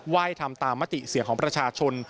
ว่ายทำตามมติเสียงของประชาชน